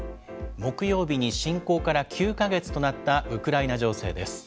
木曜日に侵攻から９か月となったウクライナ情勢です。